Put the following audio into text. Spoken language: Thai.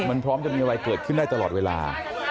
มันพร้อมจะมีอะไรเกิดขึ้นได้ตลอดเวลา